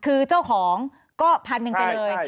คือเจ้าของก็พันหนึ่งไปเลย